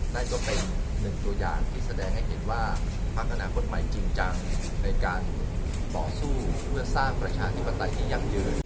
นั่นก็เป็นหนึ่งตัวอย่างที่แสดงให้เห็นว่าพักอนาคตใหม่จริงจังในการต่อสู้เพื่อสร้างประชาธิปไตยที่ยั่งยืน